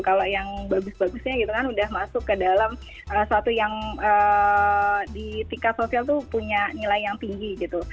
kalau yang bagus bagusnya gitu kan udah masuk ke dalam suatu yang di tingkat sosial tuh punya nilai yang tinggi gitu